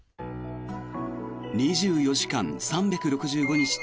２４時間３６５日